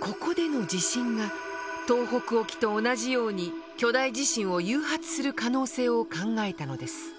ここでの地震が東北沖と同じように巨大地震を誘発する可能性を考えたのです。